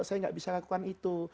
saya nggak bisa lakukan itu